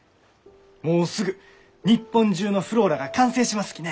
もうすぐ日本中のｆｌｏｒａが完成しますきね。